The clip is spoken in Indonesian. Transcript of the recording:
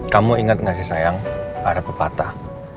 kamu inget nggak sih sayang ada pepatah